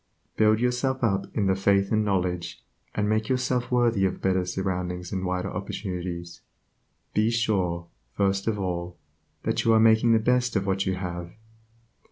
Build yourself up in the faith and knowledge, and make yourself worthy of better surroundings and wider opportunities. Be sure, first of all, that you are making the best of what you have.